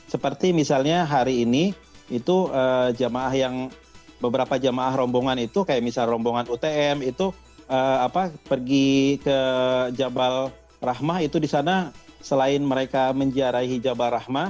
seperti misalnya hari ini itu jamaah yang beberapa jamaah rombongan itu kayak misalnya rombongan utm itu pergi ke jabal rahmah itu di sana selain mereka menjarai jabal rahmah